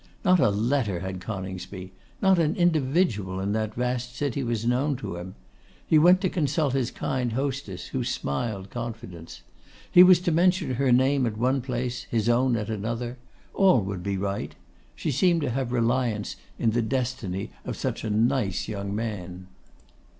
Not a letter had Coningsby; not an individual in that vast city was known to him. He went to consult his kind hostess, who smiled confidence. He was to mention her name at one place, his own at another. All would be right; she seemed to have reliance in the destiny of such a nice young man.